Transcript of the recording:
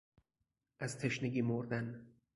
از تشنگی مردن